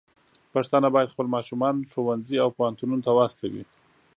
پښتانه بايد خپل ماشومان ښوونځي او پوهنتونونو ته واستوي.